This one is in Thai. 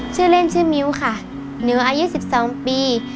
ชื่อเล่นชื่อมิ้วค่ะนิวอายุ๑๒ปี